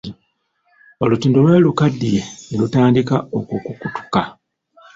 Olutindo lwali lukaddiye ne lutandiika okukutuka.